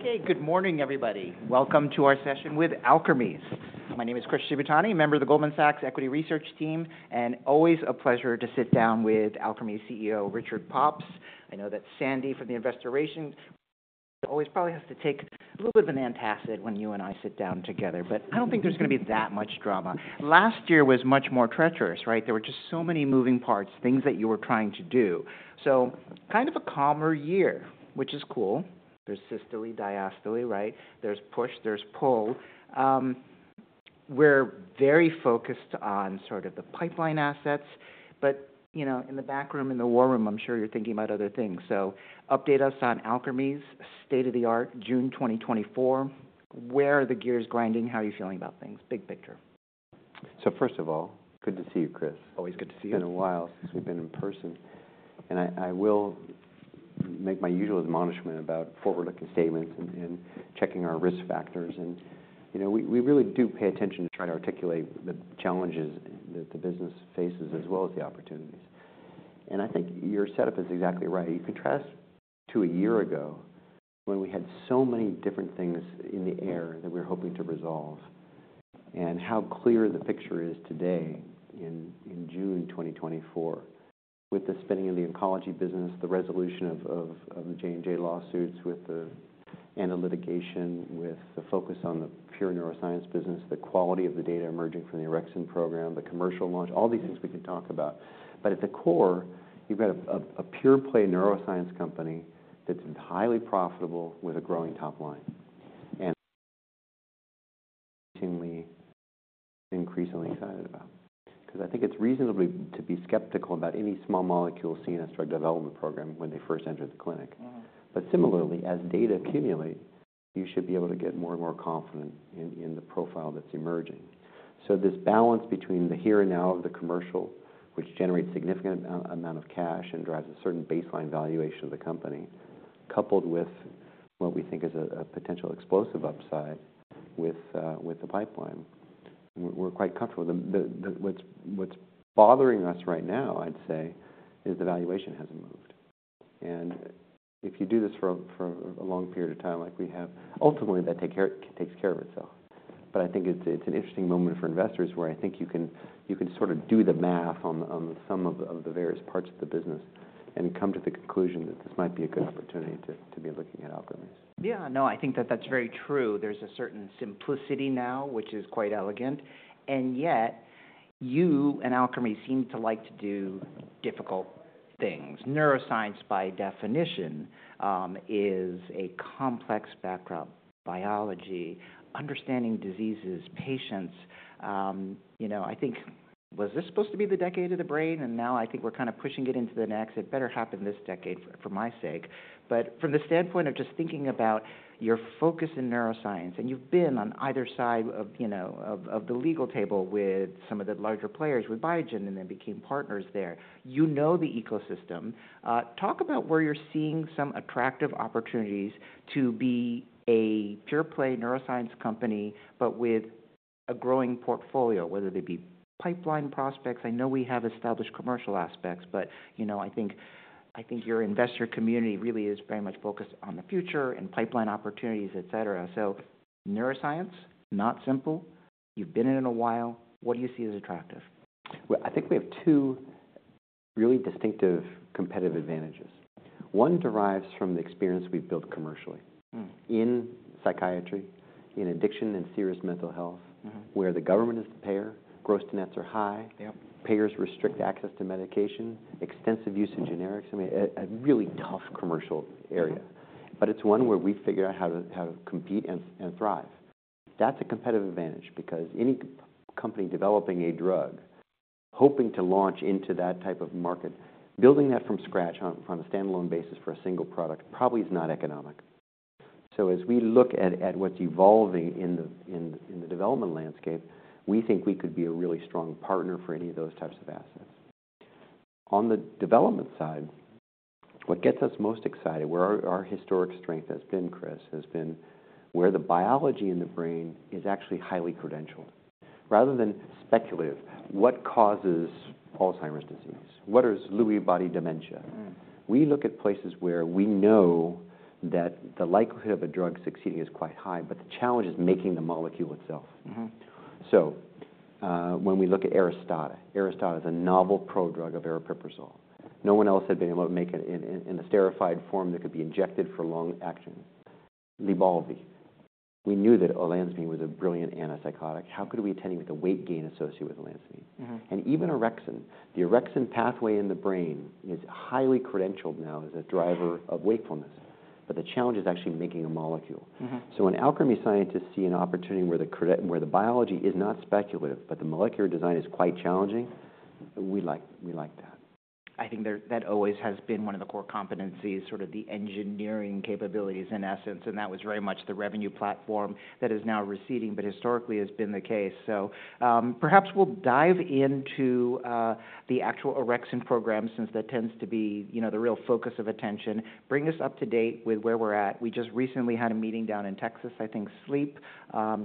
Okay, good morning, everybody. Welcome to our session with Alkermes. My name is Chris Shibutani, a member of the Goldman Sachs Equity Research Team, and always a pleasure to sit down with Alkermes' CEO, Richard Pops. I know that Sandy from the investor relations always probably has to take a little bit of an antacid when you and I sit down together—but I don't think there's gonna be that much drama. Last year was much more treacherous, right? There were just so many moving parts, things that you were trying to do. So kind of a calmer year, which is cool. There's systole, diastole, right? There's push, there's pull. We're very focused on sort of the pipeline assets, but, you know, in the back room, in the war room, I'm sure you're thinking about other things. So update us on Alkermes, state-of-the-art, June 2024. Where are the gears grinding? How are you feeling about things? Big picture. First of all, good to see you, Chris. Always good to see you. It's been a while since we've been in person, and I will make my usual admonishment about forward-looking statements and checking our risk factors. You know, we really do pay attention to try to articulate the challenges that the business faces, as well as the opportunities. I think your setup is exactly right. If you contrast to a year ago, when we had so many different things in the air that we were hoping to resolve, and how clear the picture is today in June 2024, with the spinning of the oncology business, the resolution of the J&J lawsuits, with all litigation, with the focus on the pure neuroscience business, the quality of the data emerging from the orexin program, the commercial launch, all these things we can talk about. But at the core, you've got a pure play neuroscience company that's entirely profitable with a growing top line, and increasingly excited about. 'Cause I think it's reasonable to be skeptical about any small molecule CNS drug development program when they first enter the clinic. Mm-hmm. But similarly, as data accumulate, you should be able to get more and more confident in the profile that's emerging. So this balance between the here and now of the commercial, which generates significant amount of cash and drives a certain baseline valuation of the company, coupled with what we think is a potential explosive upside with the pipeline. We're quite comfortable. What's bothering us right now, I'd say, is the valuation hasn't moved. And if you do this for a long period of time, like we have, ultimately, that takes care of itself. But I think it's an interesting moment for investors, where I think you can sort of do the math on the sum of the various parts of the business and come to the conclusion that this might be a good opportunity to be looking at Alkermes. Yeah, no, I think that that's very true. There's a certain simplicity now, which is quite elegant, and yet you and Alkermes seem to like to do difficult things. Neuroscience, by definition, is a complex background: biology, understanding diseases, patients. You know, I think, was this supposed to be the decade of the brain? And now I think we're kind of pushing it into the next. It better happen this decade, for, for my sake. But from the standpoint of just thinking about your focus in neuroscience, and you've been on either side of, you know, of, of the legal table with some of the larger players, with Biogen, and then became partners there. You know the ecosystem. Talk about where you're seeing some attractive opportunities to be a pure play neuroscience company, but with a growing portfolio, whether they be pipeline prospects... I know we have established commercial aspects, but, you know, I think, I think your investor community really is very much focused on the future and pipeline opportunities, et cetera. So neuroscience, not simple. You've been in it a while. What do you see as attractive? Well, I think we have two really distinctive competitive advantages. One derives from the experience we've built commercially- in psychiatry, in addiction and serious mental health where the government is the payer, gross-to-nets are high Yep. Payers restrict access to medication, extensive use of generics. I mean, really tough commercial area. Yeah. But it's one where we've figured out how to compete and thrive. That's a competitive advantage because any company developing a drug, hoping to launch into that type of market, building that from scratch on a standalone basis for a single product, probably is not economic. So as we look at what's evolving in the development landscape, we think we could be a really strong partner for any of those types of assets. On the development side, what gets us most excited, where our historic strength has been, Chris, has been where the biology in the brain is actually highly credentialed. Rather than speculative, what causes Alzheimer's disease? What is Lewy body dementia? We look at places where we know that the likelihood of a drug succeeding is quite high, but the challenge is making the molecule itself. So, when we look at Aristada, Aristada is a novel prodrug of aripiprazole. No one else had been able to make it in a esterified form that could be injected for long action. Lybalvi, we knew that olanzapine was a brilliant antipsychotic. How could we attend to the weight gain associated with olanzapine? Even orexin, the orexin pathway in the brain is highly credentialed now as a driver of wakefulness, but the challenge is actually making a molecule. So when Alkermes scientists see an opportunity where the biology is not speculative, but the molecular design is quite challenging, we like, we like that. I think there, that always has been one of the core competencies, sort of the engineering capabilities, in essence, and that was very much the revenue platform that is now receding, but historically has been the case. So, perhaps we'll dive into the actual orexin program, since that tends to be, you know, the real focus of attention. Bring us up to date with where we're at. We just recently had a meeting down in Texas, I think, SLEEP.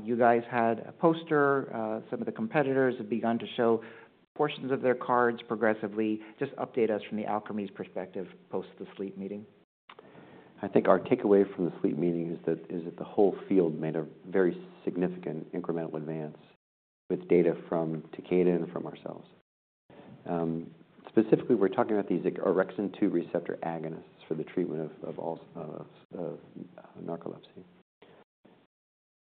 You guys had a poster. Some of the competitors have begun to show portions of their cards progressively. Just update us from the Alkermes perspective post the SLEEP meeting. I think our takeaway from the SLEEP meeting is that the whole field made a very significant incremental advance with data from Takeda and from ourselves. Specifically, we're talking about these orexin-2 receptor agonists for the treatment of narcolepsy.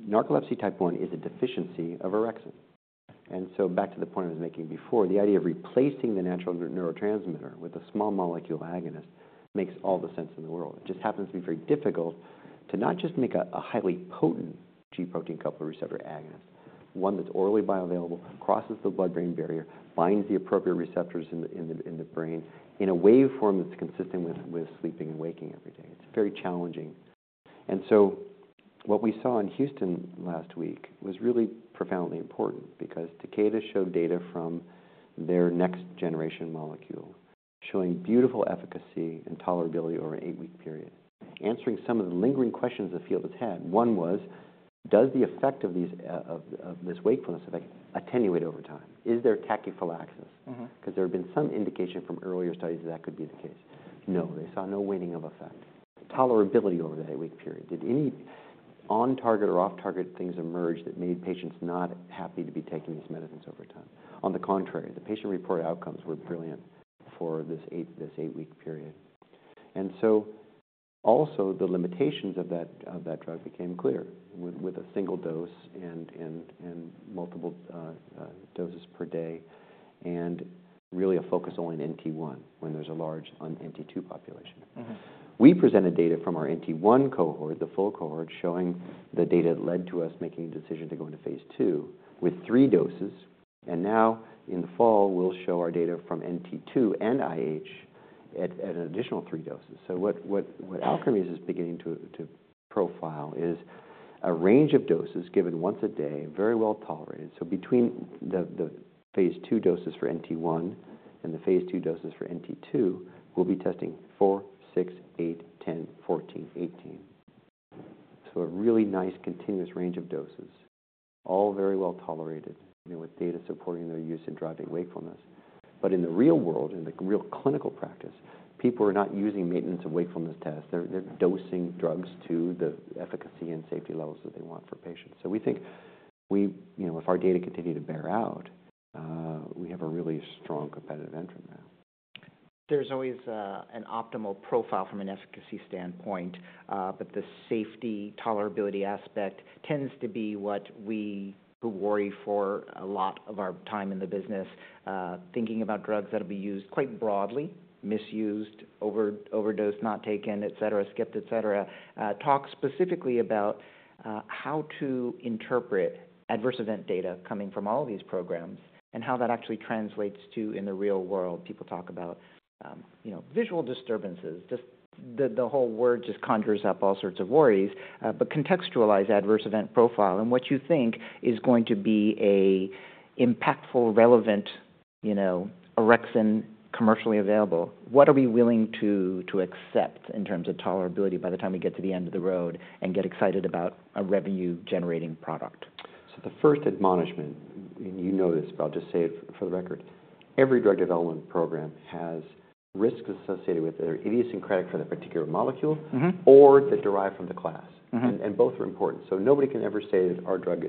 Narcolepsy Type 1 is a deficiency of orexin. And so back to the point I was making before, the idea of replacing the natural neurotransmitter with a small molecule agonist makes all the sense in the world. It just happens to be very difficult to not just make a highly potent G protein-coupled receptor agonist, one that's orally bioavailable, crosses the blood-brain barrier, binds the appropriate receptors in the brain in a waveform that's consistent with sleeping and waking every day. It's very challenging. And so what we saw in Houston last week was really profoundly important because Takeda showed data from their next generation molecule, showing beautiful efficacy and tolerability over an 8-week period, answering some of the lingering questions the field has had. One was, Does the effect of these, this wakefulness effect attenuate over time? Is there tachyphylaxis? Because there have been some indication from earlier studies that could be the case. No, they saw no waning of effect. Tolerability over the 8-week period. Did any on-target or off-target things emerge that made patients not happy to be taking these medicines over time? On the contrary, the patient-reported outcomes were brilliant for this 8-week period. And so also the limitations of that drug became clear with a single dose and multiple doses per day, and really a focus only on NT1, when there's a large on NT2 population. We presented data from our NT1 cohort, the full cohort, showing the data that led to us making a decision to go into phase II with 3 doses, and now in the fall, we'll show our data from NT2 and IH at an additional 3 doses. So what Alkermes is beginning to profile is a range of doses given once a day, very well tolerated. So between the phase II doses for NT1 and the phase II doses for NT2, we'll be testing 4, 6, 8, 10, 14, 18. So a really nice continuous range of doses, all very well tolerated, you know, with data supporting their use in driving wakefulness. But in the real world, in the real clinical practice, people are not using maintenance and wakefulness tests. They're dosing drugs to the efficacy and safety levels that they want for patients. So we think, you know, if our data continue to bear out, we have a really strong competitive entrant now. There's always an optimal profile from an efficacy standpoint, but the safety tolerability aspect tends to be what we worry for a lot of our time in the business, thinking about drugs that'll be used quite broadly, misused, overdosed, not taken, et cetera, skipped, et cetera. Talk specifically about how to interpret adverse event data coming from all of these programs and how that actually translates to in the real world. People talk about, you know, visual disturbances, just the whole word just conjures up all sorts of worries. But contextualize adverse event profile and what you think is going to be a impactful, relevant, you know, orexin commercially available. What are we willing to accept in terms of tolerability by the time we get to the end of the road and get excited about a revenue-generating product? The first admonishment, and you know this, but I'll just say it for the record. Every drug development program has risks associated with it, either idiosyncratic for the particular molecule.... or that derive from the class. Both are important. So nobody can ever say that our drug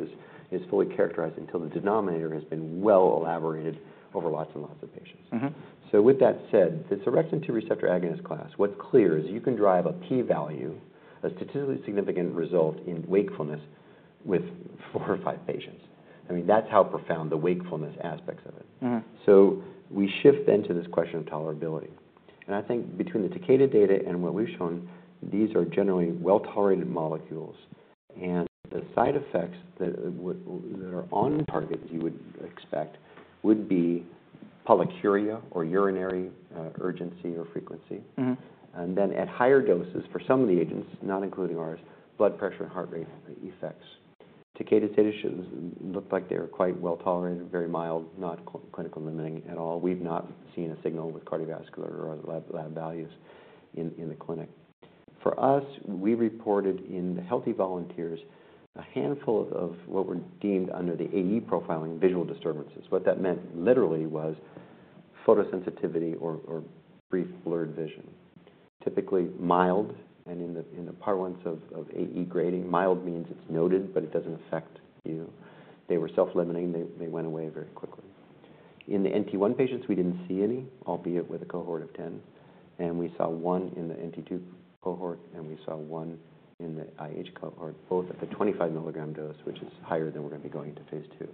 is fully characterized until the denominator has been well elaborated over lots and lots of patients. So with that said, this orexin-2 receptor agonist class, what's clear is you can drive a p-value, a statistically significant result in wakefulness with four or five patients. I mean, that's how profound the wakefulness aspects of it. So we shift then to this question of tolerability. And I think between the Takeda data and what we've shown, these are generally well-tolerated molecules, and the side effects that are on target, as you would expect, would be polyuria or urinary urgency or frequency. And then at higher doses, for some of the agents, not including ours, blood pressure and heart rate effects. Takeda's data shows... looked like they were quite well tolerated, very mild, not clinical limiting at all. We've not seen a signal with cardiovascular or lab values in the clinic. For us, we reported in the healthy volunteers, a handful of what were deemed under the AE profiling, visual disturbances. What that meant literally was photosensitivity or brief blurred vision, typically mild, and in the parlance of AE grading, mild means it's noted, but it doesn't affect you. They were self-limiting. They went away very quickly. In the NT1 patients, we didn't see any, albeit with a cohort of 10, and we saw one in the NT2 cohort, and we saw one in the IH cohort, both at the 25 milligram dose, which is higher than we're going to be going into phase II.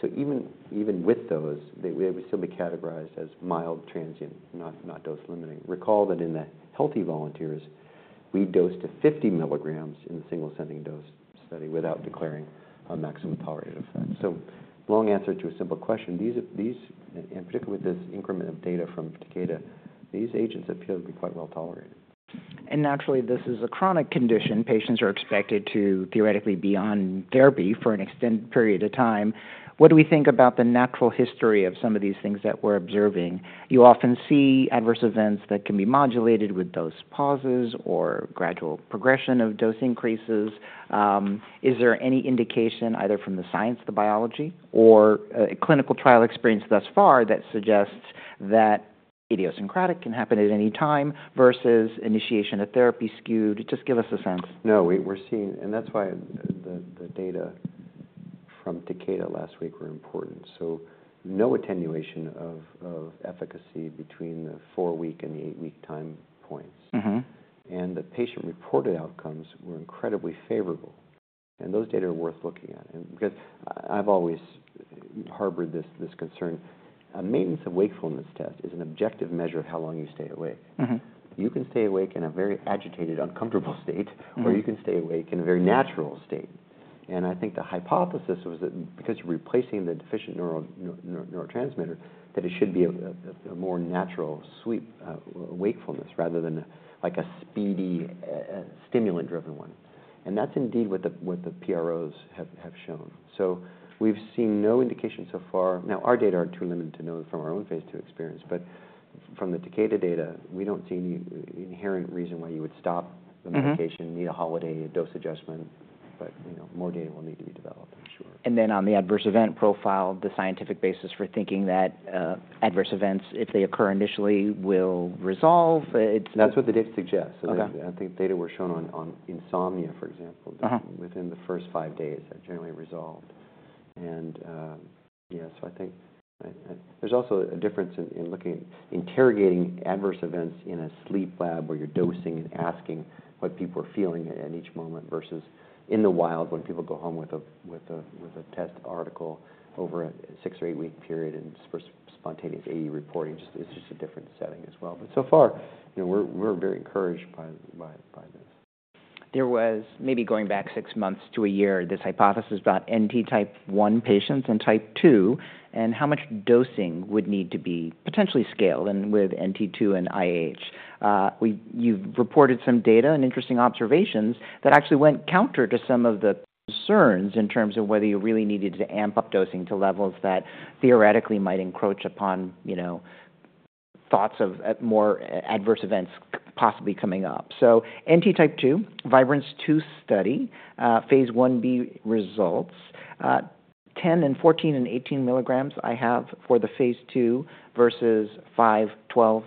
So even, even with those, they would still be categorized as mild, transient, not, not dose limiting. Recall that in the healthy volunteers, we dosed to 50 milligrams in the single ascending dose study without declaring a maximum tolerated effect. So long answer to a simple question, these are—these, and particularly with this increment of data from Takeda, these agents appear to be quite well tolerated. Naturally, this is a chronic condition. Patients are expected to theoretically be on therapy for an extended period of time. What do we think about the natural history of some of these things that we're observing? You often see adverse events that can be modulated with dose pauses or gradual progression of dose increases. Is there any indication, either from the science, the biology, or clinical trial experience thus far, that suggests that idiosyncratic, can happen at any time, versus initiation of therapy skewed? Just give us a sense. No, we're seeing, and that's why the data from Takeda last week were important. So no attenuation of efficacy between the 4-week and the 8-week time points. The patient-reported outcomes were incredibly favorable, and those data are worth looking at. Because I, I've always harbored this, this concern. A maintenance of wakefulness test is an objective measure of how long you stay awake. You can stay awake in a very agitated, uncomfortable state - or you can stay awake in a very natural state. I think the hypothesis was that because you're replacing the deficient neural neurotransmitter, that it should be a more natural sweet wakefulness, rather than like a speedy stimulant-driven one. That's indeed what the PROs have shown. So we've seen no indication so far. Now, our data are too limited to know from our own phase II experience, but from the Takeda data, we don't see any inherent reason why you would stop the-... medication, need a holiday, a dose adjustment, but, you know, more data will need to be developed for sure. And then on the adverse event profile, the scientific basis for thinking that, adverse events, if they occur initially, will resolve it? That's what the data suggests. Okay. So I think data were shown on insomnia, for example-... within the first 5 days, that generally resolved. Yeah, so I think, there's also a difference in looking, interrogating adverse events in a sleep lab where you're dosing and asking what people are feeling at each moment versus in the wild, when people go home with a test article over a 6- or 8-week period, and for spontaneous AE reporting, it's just a different setting as well. But so far, you know, we're very encouraged by this. There was, maybe going back six months to a year, this hypothesis about NT type one patients and type two, and how much dosing would need to be potentially scaled and with NT two and IH. You've reported some data and interesting observations that actually went counter to some of the concerns in terms of whether you really needed to amp up dosing to levels that theoretically might encroach upon, you know, thoughts of, more adverse events possibly coming up. So NT type two, Vibrance 2 study, phase 1b results, 10 and 14 and 18 milligrams I have for the phase 2 versus 5, 12,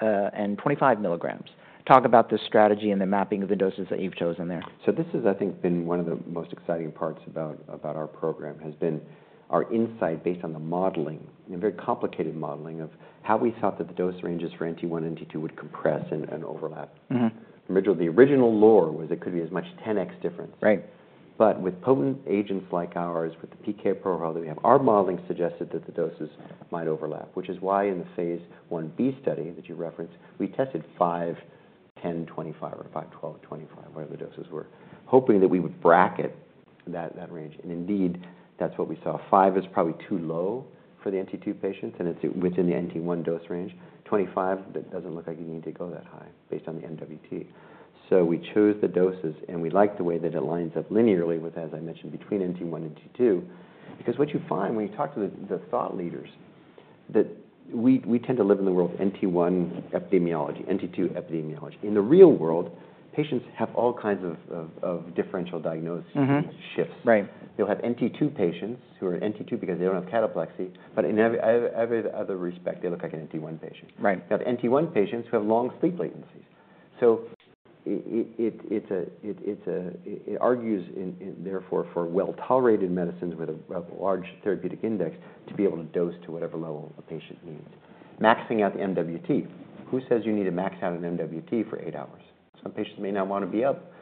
and 25 milligrams. Talk about the strategy and the mapping of the doses that you've chosen there. So this has, I think, been one of the most exciting parts about our program, has been our insight based on the modeling, a very complicated modeling, of how we thought that the dose ranges for NT1 and NT2 would compress and overlap. Originally, the original lore was it could be as much 10x difference. Right. But with potent agents like ours, with the PK profile that we have, our modeling suggested that the doses might overlap, which is why in the phase one B study that you referenced, we tested 5, 10, 25, or 5, 12, 25, whatever the doses were, hoping that we would bracket that, that range. And indeed, that's what we saw. 5 is probably too low for the NT2 patients, and it's within the NT1 dose range. 25, that doesn't look like you need to go that high based on the MWT. So we chose the doses, and we like the way that it lines up linearly with, as I mentioned, between NT1 and NT2. Because what you find when you talk to the, the thought leaders, that we, we tend to live in the world of NT1 epidemiology, NT2 epidemiology. In the real world, patients have all kinds of differential diagnosis-... shifts. Right. You'll have NT two patients who are NT two because they don't have cataplexy, but in every other respect, they look like an NT one patient. Right. You have NT1 patients who have long sleep latencies. So it argues, therefore, for well-tolerated medicines with a large therapeutic index, to be able to dose to whatever level a patient needs. Maxing out the MWT. Who says you need to max out an MWT for eight hours? Some patients may not want to be up,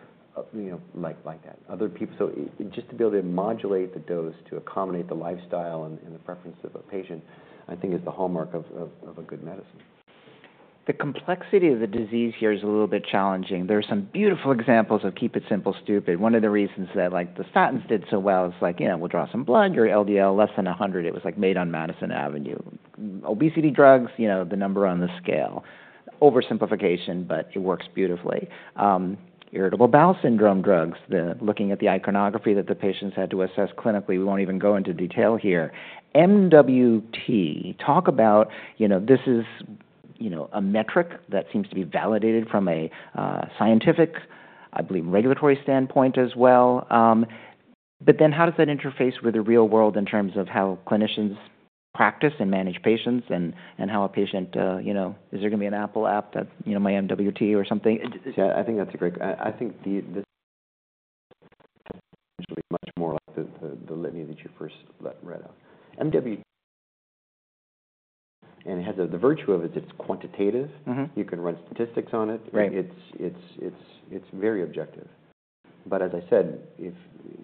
you know, like that, other people... So just to be able to modulate the dose to accommodate the lifestyle and the preferences of a patient, I think is the hallmark of a good medicine. The complexity of the disease here is a little bit challenging. There are some beautiful examples of keep it simple, stupid. One of the reasons that, like, the statins did so well is like, you know, we'll draw some blood, your LDL less than 100. It was, like, made on Madison Avenue. Obesity drugs, you know, the number on the scale. Oversimplification, but it works beautifully. Irritable bowel syndrome drugs, the looking at the iconography that the patients had to assess clinically, we won't even go into detail here. MWT, talk about, you know, this is, you know, a metric that seems to be validated from a scientific, I believe, regulatory standpoint as well. But then how does that interface with the real world in terms of how clinicians practice and manage patients and, and how a patient, you know... Is there gonna be an Apple app that, you know, my MWT or something? Yeah, I think that's a great—I think this much more like the litany that you first read out. And it has the virtue of it, it's quantitative. You can run statistics on it. Right. It's very objective. But as I said, if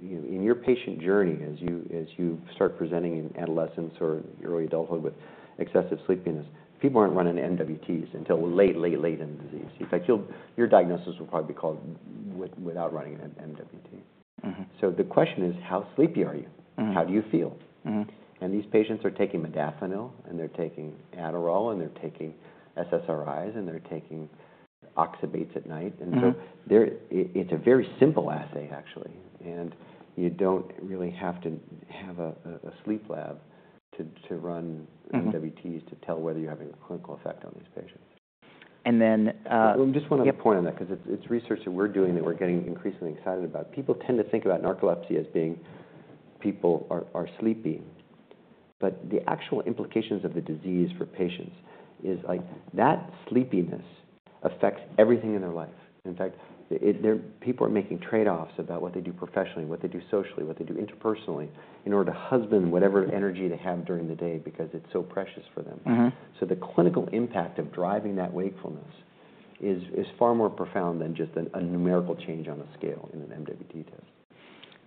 you know, in your patient journey, as you start presenting in adolescence or early adulthood with excessive sleepiness, people aren't running MWTs until late, late, late in the disease. In fact, your diagnosis will probably be called without running an MWT. The question is, how sleepy are you? How do you feel? These patients are taking modafinil, and they're taking Adderall, and they're taking SSRIs, and they're taking oxybutynin at night. And so it's a very simple assay, actually, and you don't really have to have a sleep lab to run-... NT2s to tell whether you're having a clinical effect on these patients.... And then, Well, I just want to point on that, 'cause it's research that we're doing that we're getting increasingly excited about. People tend to think about narcolepsy as being people are sleepy, but the actual implications of the disease for patients is, like, that sleepiness affects everything in their life. In fact, people are making trade-offs about what they do professionally, what they do socially, what they do interpersonally, in order to husband whatever energy they have during the day because it's so precious for them. The clinical impact of driving that wakefulness is far more profound than just a numerical change on a scale in an MWT test.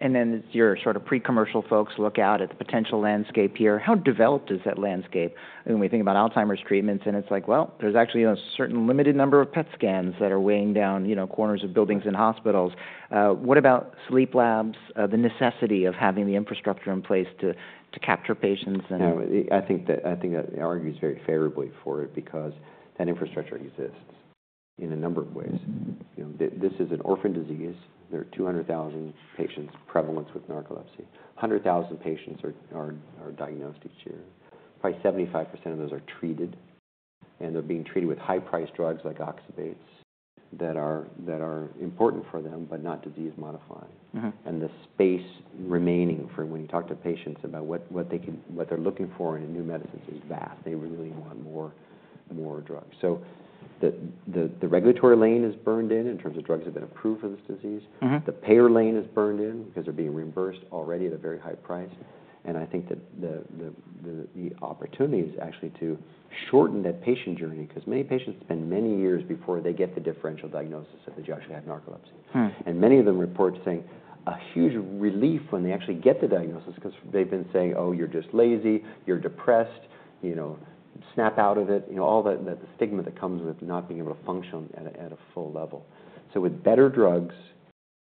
And then as your sort of pre-commercial folks look out at the potential landscape here, how developed is that landscape? When we think about Alzheimer's treatments, and it's like, well, there's actually a certain limited number of PET scans that are weighing down, you know, corners of buildings and hospitals. What about sleep labs, the necessity of having the infrastructure in place to capture patients and- Yeah, I think that, I think that argues very favorably for it because that infrastructure exists in a number of ways. You know, this is an orphan disease. There are 200,000 patient prevalence with narcolepsy. 100,000 patients are diagnosed each year. Probably 75% of those are treated, and they're being treated with high-priced drugs like oxybates, that are important for them, but not disease-modifying. The space remaining for when you talk to patients about what they can... What they're looking for in a new medicine is vast. They really want more drugs. So the regulatory lane is burned in, in terms of drugs have been approved for this disease. The payer lane is burned in because they're being reimbursed already at a very high price. I think that the opportunity is actually to shorten that patient journey, 'cause many patients spend many years before they get the differential diagnosis that they actually have narcolepsy. And many of them report saying a huge relief when they actually get the diagnosis, 'cause they've been saying: "Oh, you're just lazy, you're depressed, you know, snap out of it." You know, all the stigma that comes with not being able to function at a full level. So with better drugs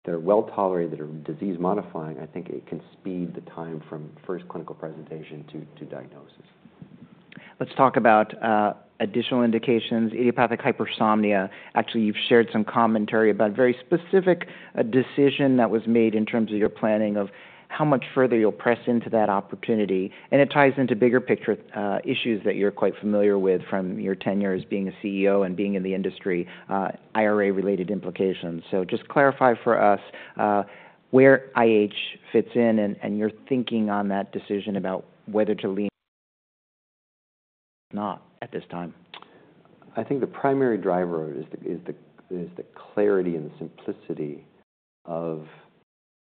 that are well-tolerated, that are disease-modifying, I think it can speed the time from first clinical presentation to diagnosis. Let's talk about additional indications, idiopathic hypersomnia. Actually, you've shared some commentary about a very specific decision that was made in terms of your planning of how much further you'll press into that opportunity, and it ties into bigger picture issues that you're quite familiar with from your tenure as being a CEO and being in the industry, IRA-related implications. So just clarify for us, where IH fits in and, and your thinking on that decision about whether to lean or not at this time. I think the primary driver is the clarity and the simplicity of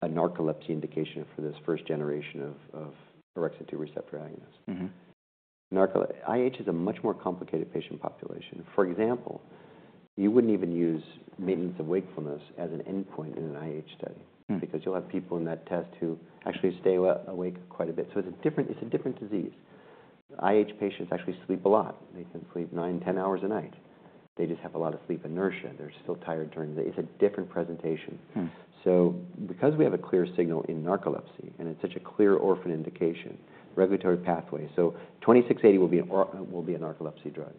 a narcolepsy indication for this first generation of orexin two receptor agonists. IH is a much more complicated patient population. For example, you wouldn't even use maintenance of wakefulness as an endpoint in an IH study-... because you'll have people in that test who actually stay awake quite a bit. So it's a different, it's a different disease. IH patients actually sleep a lot. They can sleep nine, 10 hours a night. They just have a lot of sleep inertia. They're still tired during the day. It's a different presentation. So because we have a clear signal in narcolepsy, and it's such a clear orphan indication, regulatory pathway, so 2680 will be a narcolepsy drug.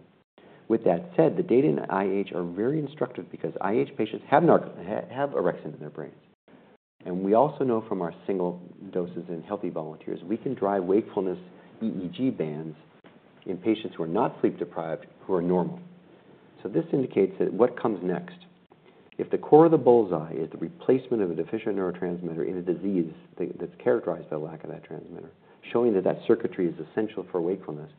With that said, the data in IH are very instructive because IH patients have orexin in their brains. And we also know from our single doses in healthy volunteers, we can drive wakefulness EEG bands in patients who are not sleep-deprived, who are normal. So this indicates that what comes next? If the core of the bull's eye is the replacement of a deficient neurotransmitter in a disease that's characterized by lack of that transmitter, showing that that circuitry is essential for wakefulness,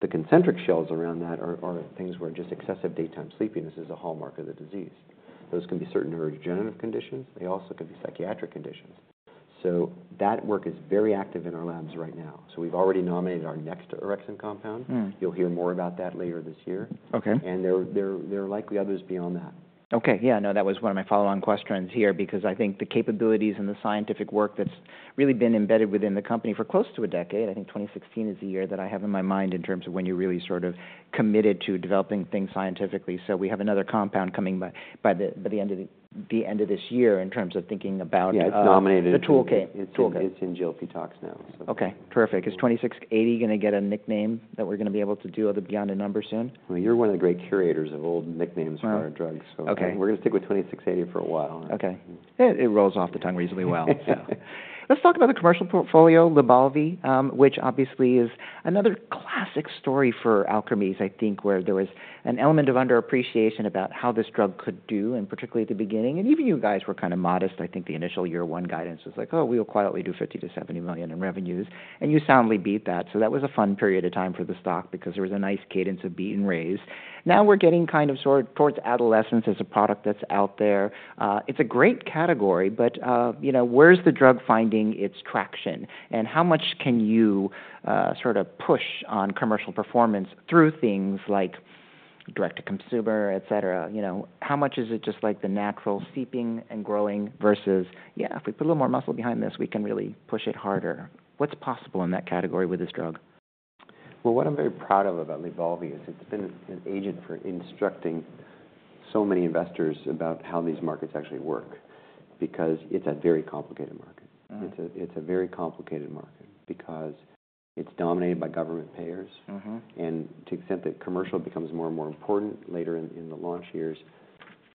the concentric shells around that are things where just excessive daytime sleepiness is a hallmark of the disease. Those can be certain neurodegenerative conditions. They also can be psychiatric conditions. That work is very active in our labs right now. So we've already nominated our next orexin compound. You'll hear more about that later this year. Okay. There are likely others beyond that. Okay. Yeah, no, that was one of my follow-on questions here, because I think the capabilities and the scientific work that's really been embedded within the company for close to a decade, I think 2016 is the year that I have in my mind, in terms of when you really sort of committed to developing things scientifically. So we have another compound coming by the end of this year in terms of thinking about. Yeah, it's nominated-... The toolkit. It's in, it's in GLP tox now, so. Okay, perfect. Is 2680 gonna get a nickname that we're gonna be able to do other beyond a number soon? Well, you're one of the great curators of old nicknames- Well... for our drugs. Okay. We're gonna stick with 2680 for a while. Okay. It, it rolls off the tongue reasonably well. So let's talk about the commercial portfolio, Lybalvi, which obviously is another classic story for Alkermes, I think, where there was an element of underappreciation about how this drug could do, and particularly at the beginning. Even you guys were kind of modest. I think the initial year one guidance was like: Oh, we'll quietly do $50 million-$70 million in revenues, and you soundly beat that. So that was a fun period of time for the stock because there was a nice cadence of beat and raise. Now we're getting kind of sort towards adolescence as a product that's out there. It's a great category, but, you know, where's the drug finding its traction, and how much can you, sort of push on commercial performance through things like direct to consumer, et cetera? You know, how much is it just like the natural seeping and growing versus, "Yeah, if we put a little more muscle behind this, we can really push it harder"? What's possible in that category with this drug? Well, what I'm very proud of about LYBALVI is it's been an agent for instructing so many investors about how these markets actually work, because it's a very complicated market. It's a very complicated market because it's dominated by government payers. To the extent that commercial becomes more and more important later in the launch years,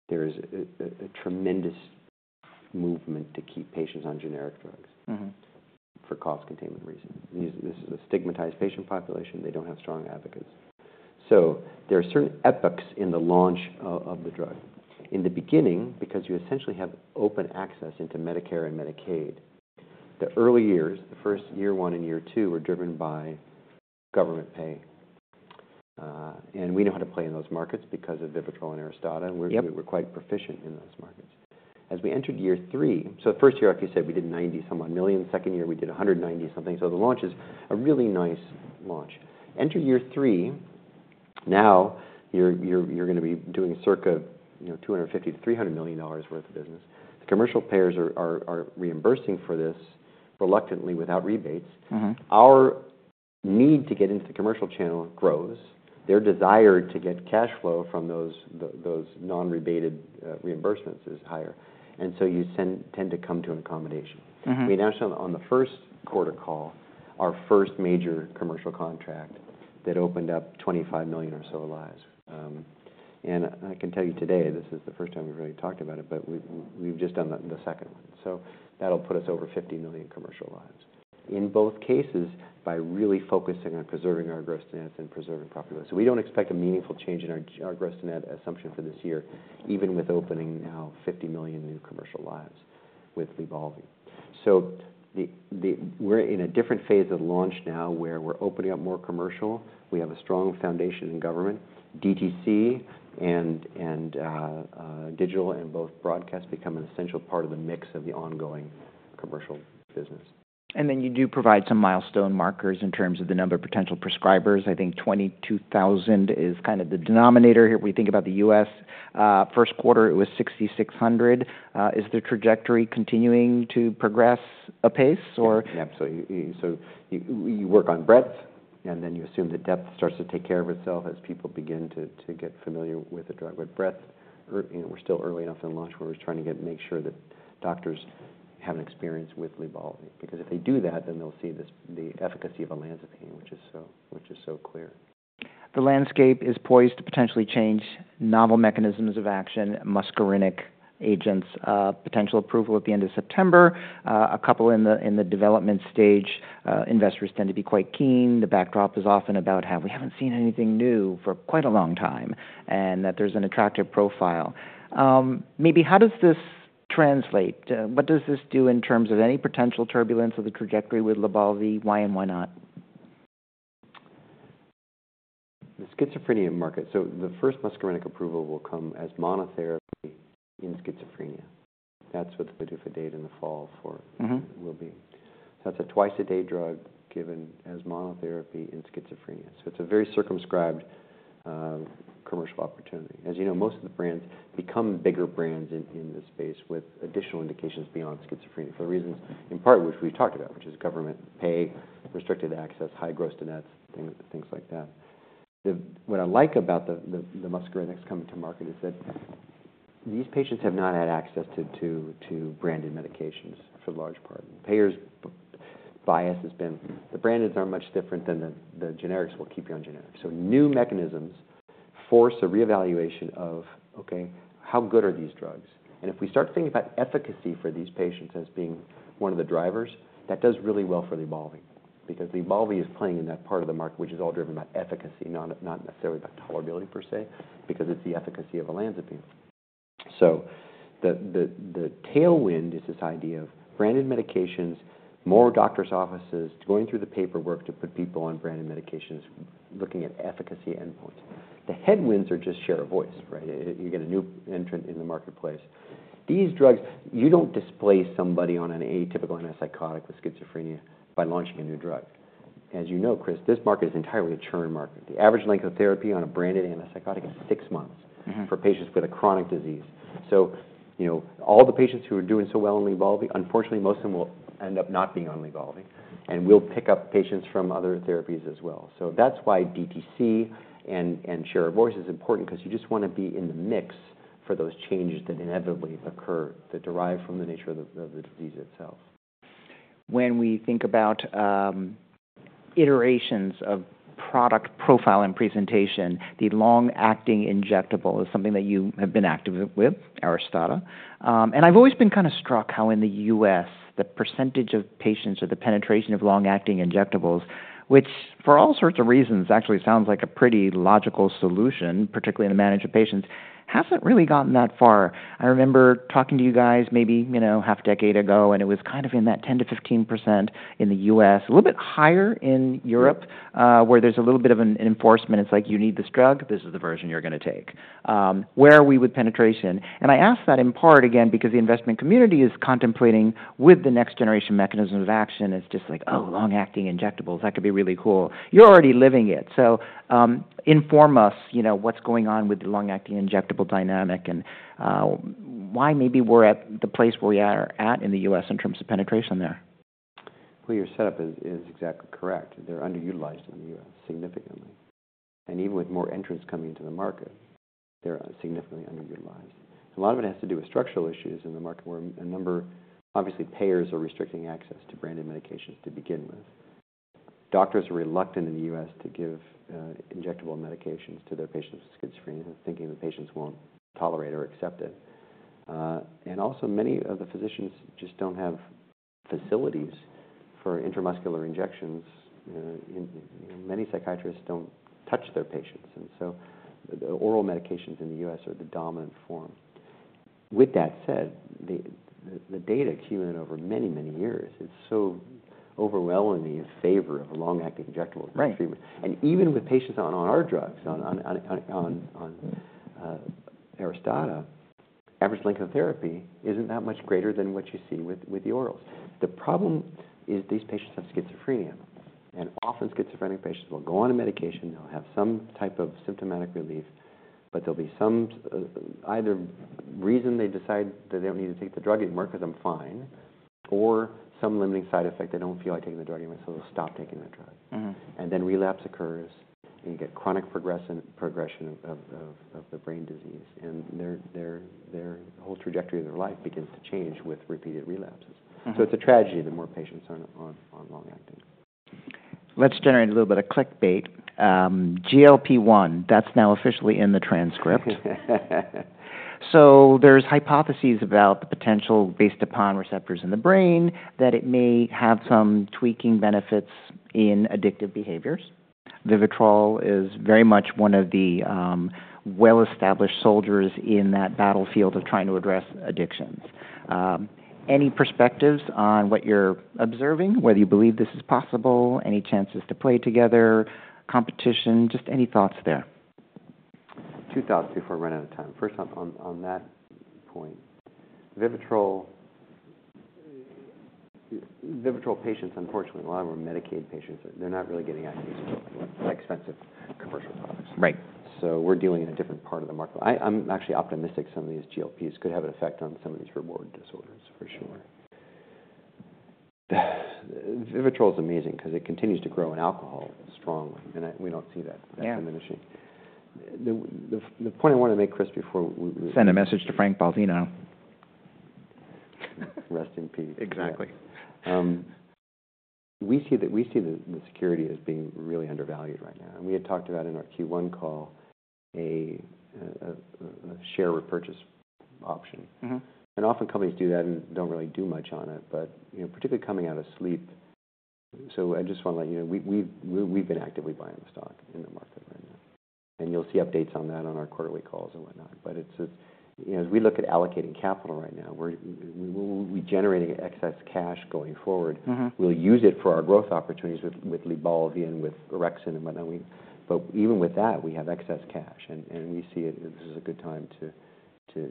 there is a tremendous movement to keep patients on generic drugs. for cost containment reasons. This, this is a stigmatized patient population. They don't have strong advocates. So there are certain epochs in the launch of, of the drug. In the beginning, because you essentially have open access into Medicare and Medicaid, the early years, the first year one and year two, were driven by government pay. And we know how to play in those markets because of Aristada and ARISTADA. Yep. We're quite proficient in those markets. As we entered year three. So the first year, like you said, we did $90-some-odd million. Second year, we did $190-something. So the launch is a really nice launch. Enter year three, now, you're going to be doing circa, you know, $250 million-$300 million worth of business. The commercial payers are reimbursing for this reluctantly without rebates. Our need to get into the commercial channel grows. Their desire to get cash flow from those non-rebated reimbursements is higher, and so you tend to come to an accommodation. I mean, actually, on the first quarter call, our first major commercial contract that opened up 25 million or so lives. And I can tell you today, this is the first time we've really talked about it, but we've just done the second one. So that'll put us over 50 million commercial lives. In both cases, by really focusing on preserving our gross-to-net and preserving profit. So we don't expect a meaningful change in our gross-to-net assumption for this year, even with opening now 50 million new commercial lives with Lybalvi. So we're in a different phase of launch now, where we're opening up more commercial. We have a strong foundation in government, DTC and digital and both broadcasts become an essential part of the mix of the ongoing commercial business. And then you do provide some milestone markers in terms of the number of potential prescribers. I think 22,000 is kind of the denominator here. We think about the U.S., first quarter, it was 6,600. Is the trajectory continuing to progress apace or? Yeah. So you work on breadth, and then you assume that depth starts to take care of itself as people begin to get familiar with the drug. With breadth, you know, we're still early enough in launch, where we're trying to make sure that doctors have an experience with Lybalvi, because if they do that, then they'll see this, the efficacy of olanzapine, which is so clear. The landscape is poised to potentially change novel mechanisms of action, muscarinic agents, potential approval at the end of September. A couple in the development stage. Investors tend to be quite keen. The backdrop is often about how we haven't seen anything new for quite a long time, and that there's an attractive profile. Maybe how does this translate? What does this do in terms of any potential turbulence of the trajectory with Lybalvi? Why and why not? The schizophrenia market. So the first muscarinic approval will come as monotherapy in schizophrenia. That's what the PDUFA date in the fall for- -will be. That's a twice-a-day drug given as monotherapy in schizophrenia. So it's a very circumscribed commercial opportunity. As you know, most of the brands become bigger brands in, in this space, with additional indications beyond schizophrenia, for reasons, in part, which we've talked about, which is government pay, restricted access, high gross-to-net, things, things like that. What I like about the, the, the muscarinic coming to market is that these patients have not had access to, to, to branded medications for the large part. Payers' bias has been, the branded are much different than the, the generics. We'll keep you on generic. So new mechanisms force a reevaluation of, okay, how good are these drugs? If we start thinking about efficacy for these patients as being one of the drivers, that does really well for Lybalvi, because Lybalvi is playing in that part of the market, which is all driven by efficacy, not necessarily by tolerability per se, because it's the efficacy of olanzapine. The tailwind is this idea of branded medications, more doctor's offices going through the paperwork to put people on branded medications, looking at efficacy endpoints. The headwinds are just share of voice, right? You get a new entrant in the marketplace. These drugs, you don't displace somebody on an atypical antipsychotic with schizophrenia by launching a new drug. As you know, Chris, this market is entirely a churn market. The average length of therapy on a branded antipsychotic is six months-... for patients with a chronic disease. So, you know, all the patients who are doing so well on LYBALVI, unfortunately, most of them will end up not being on LYBALVI, and we'll pick up patients from other therapies as well. So that's why DTC and share of voice is important, because you just want to be in the mix for those changes that inevitably occur, that derive from the nature of the disease itself. When we think about iterations of product profile and presentation, the long-acting injectable is something that you have been active with, Aristada. And I've always been kind of struck how in the U.S., the percentage of patients or the penetration of long-acting injectables, which for all sorts of reasons, actually sounds like a pretty logical solution, particularly in the management of patients, hasn't really gotten that far. I remember talking to you guys maybe, you know, half a decade ago, and it was kind of in that 10%-15% in the U.S., a little bit higher in Europe- Yep... where there's a little bit of an enforcement. It's like: You need this drug, this is the version you're going to take. Where are we with penetration? And I ask that in part, again, because the investment community is contemplating with the next generation mechanisms of action. It's just like, "Oh, long-acting injectables, that could be really cool." You're already living it. So, inform us, you know, what's going on with the long-acting injectable dynamic, and why maybe we're at the place where we are at in the U.S. in terms of penetration there? Well, your setup is exactly correct. They're underutilized in the US significantly, and even with more entrants coming into the market, they're significantly underutilized. A lot of it has to do with structural issues in the market, where a number, obviously, payers are restricting access to branded medications to begin with. Doctors are reluctant in the US to give injectable medications to their patients with schizophrenia, thinking the patients won't tolerate or accept it. And also many of the physicians just don't have facilities for intramuscular injections. And many psychiatrists don't touch their patients, and so the oral medications in the US are the dominant form. With that said, the data accumulated over many, many years is so overwhelmingly in favor of a long-acting injectable- Right. -treatment. And even with patients on our drugs, on Aristada, average length of therapy isn't that much greater than what you see with the orals. The problem is these patients have schizophrenia, and often schizophrenic patients will go on a medication, they'll have some type of symptomatic relief, but there'll be some either reason they decide that they don't need to take the drug anymore because I'm fine, or some limiting side effect, they don't feel like taking the drug anymore, so they'll stop taking the drug. And then relapse occurs, and you get chronic progression of the brain disease, and their whole trajectory of their life begins to change with repeated relapses. It's a tragedy the more patients are on long-acting. Let's generate a little bit of clickbait. GLP-1, that's now officially in the transcript. So there's hypotheses about the potential based upon receptors in the brain, that it may have some tweaking benefits in addictive behaviors. Aristada is very much one of the, well-established soldiers in that battlefield of trying to address addictions. Any perspectives on what you're observing, whether you believe this is possible, any chances to play together, competition? Just any thoughts there. Two thoughts before I run out of time. First off, on that point, Aristada, Aristada patients, unfortunately, a lot of them are Medicaid patients. They're not really getting out into expensive commercial products. Right. So we're dealing in a different part of the market. I, I'm actually optimistic some of these GLPs could have an effect on some of these reward disorders, for sure. Aristada is amazing because it continues to grow in alcohol strongly, and I-- we don't see that- Yeah ...diminishing. The point I want to make, Chris, before we- Send a message to Frank Baldino. Rest in peace. Exactly. We see the security as being really undervalued right now, and we had talked about in our Q1 call a share repurchase option. Often companies do that and don't really do much on it, but, you know, particularly coming out of sleep. So I just want to let you know, we've been actively buying the stock in the market right now, and you'll see updates on that on our quarterly calls and whatnot, but it's... You know, as we look at allocating capital right now, we're generating excess cash going forward. We'll use it for our growth opportunities with Lybalvi and with Orexin and whatnot. We—but even with that, we have excess cash, and we see it. This is a good time to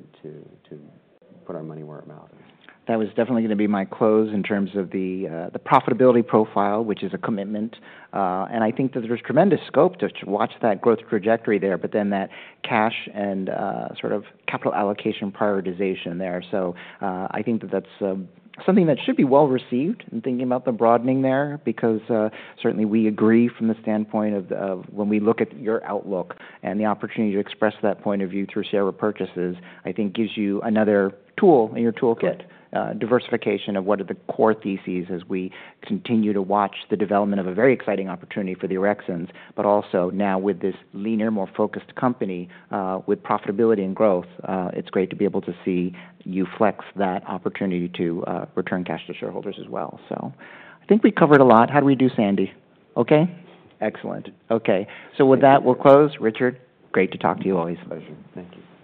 put our money where our mouth is. That was definitely going to be my close in terms of the profitability profile, which is a commitment. I think that there's tremendous scope to watch that growth trajectory there, but then that cash and sort of capital allocation prioritization there. I think that that's something that should be well received in thinking about the broadening there, because certainly we agree from the standpoint of when we look at your outlook and the opportunity to express that point of view through share repurchases, I think gives you another tool in your toolkit. Right. Diversification of what are the core theses as we continue to watch the development of a very exciting opportunity for the orexins, but also now with this leaner, more focused company, with profitability and growth, it's great to be able to see you flex that opportunity to, return cash to shareholders as well. So I think we covered a lot. How do we do, Sandy? Okay? Excellent. Okay. So with that, we'll close. Richard, great to talk to you always. Pleasure. Thank you.